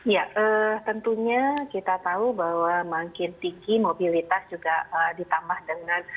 ya tentunya kita tahu bahwa makin tinggi mobilitas juga ditambah dengan